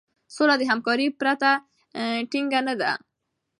سوله د همکارۍ پرته ټينګه نه ده.